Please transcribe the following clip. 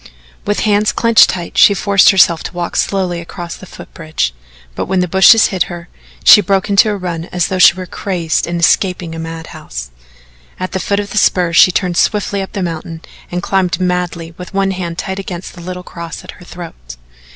With hands clenched tight she forced herself to walk slowly across the foot bridge, but when the bushes hid her, she broke into a run as though she were crazed and escaping a madhouse. At the foot of the spur she turned swiftly up the mountain and climbed madly, with one hand tight against the little cross at her throat.